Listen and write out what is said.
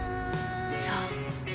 そう。